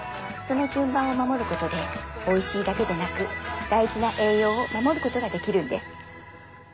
その順番を守ることでおいしいだけでなく大事な栄養を守ることができるんです。